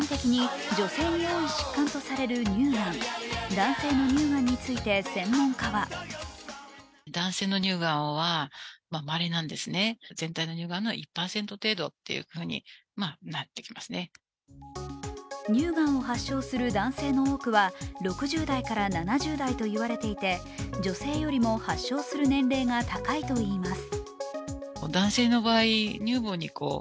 男性の乳がんについて専門家は乳がんを発症する男性の多くは６０代から７０代と言われていて女性よりも発症する年齢が高いといいます。